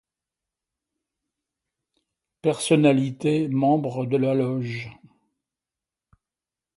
Personnalités membres de la loge.